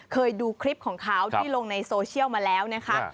เคยดูคลิปของเขาที่ลงในโซเชียลมาแล้วนะคะ